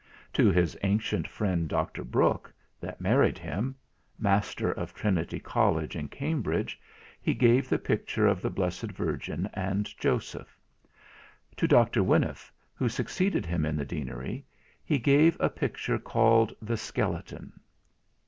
To his ancient friend Dr. Brook that married him Master of Trinity College in Cambridge, he gave the picture of the Blessed Virgin and Joseph. To Dr. Winniff who succeeded him in the Deanery he gave a picture called the Skeleton.